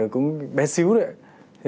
cũng bé xíu đấy